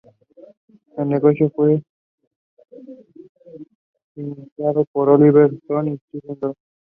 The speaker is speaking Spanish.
El negocio fue financiado por Oliver Stone y Stephen Dorff.